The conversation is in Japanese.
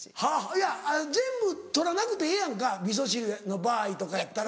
いや全部取らなくてええやんかみそ汁の場合とかやったら。